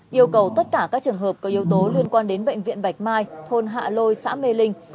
yêu cầu tất cả các trường hợp có yếu tố liên quan đến bệnh viện bạch mai thôn hạ lôi xã mê linh